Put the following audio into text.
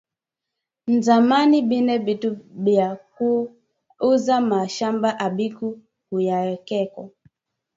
Nzamani bile bintu bya ku uza ma mashamba abiku kuyakeko